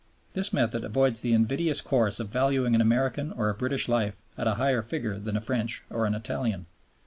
This method avoids the invidious course of valuing an American or a British life at a higher figure than a French or an Italian.